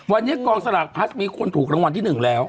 วันนี้กองสลากพลัสมีคนถูกรางวัลที่๑แล้ว